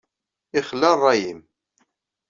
Ixla rray-im!